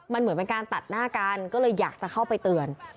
มันเหมือนเป็นการตัดหน้ากันก็เลยอยากจะเข้าไปเตือน